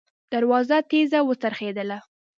دروازه تېزه وڅرخېدله.